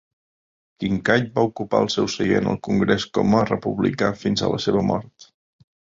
Kinkaid va ocupar el seu seient al congrés com a republicà fins a la seva mort.